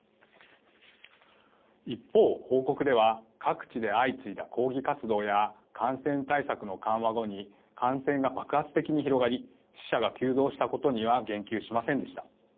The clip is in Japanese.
一方、報告では各地で相次いだ抗議活動や感染対策の緩和後に感染が爆発的に広がり死者が急増したことには言及しませんでした。